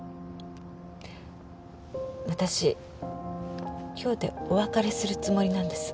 私今日でお別れするつもりなんです。